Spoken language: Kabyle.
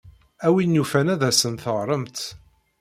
A win yufan ad asen-teɣremt.